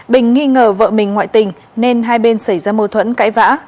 bình nghi ngờ vợ mình ngoại tình nên hai bên xảy ra mâu thuẫn cãi vã